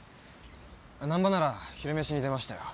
難破なら昼飯に出ましたよ。